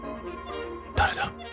誰だ。